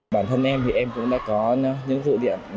bản thân em thì em cũng đã có những dự điện